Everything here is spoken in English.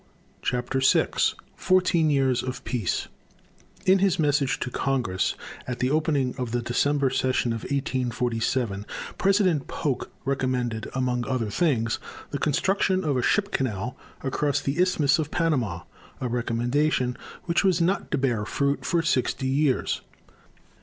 CHAPTER VI FOURTEEN YEARS OF PEACE In his message to Congress at the opening of the December session of 1847, President Polk recommended, among other things, the construction of a ship canal across the Isthmus of Panama a recommendation which was not to bear fruit for sixty years.